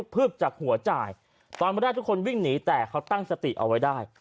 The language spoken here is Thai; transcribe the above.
พืบจากหัวจ่ายตอนแรกทุกคนวิ่งหนีแต่เขาตั้งสติเอาไว้ได้